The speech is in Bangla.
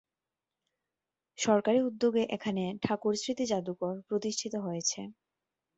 সরকারি উদ্যোগে এখানে ‘ঠাকুর স্মৃতি জাদুঘর’ প্রতিষ্ঠিত হয়েছে।